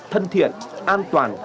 thân thiện an toàn